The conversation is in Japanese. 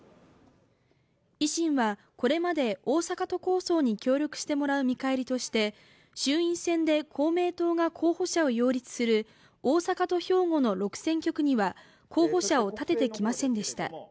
維新はこれまで大阪都構想に協力してもらう見返りとして衆院選で公明党が候補者を擁立する大阪と兵庫の６選挙区には候補者を立ててきませんでした。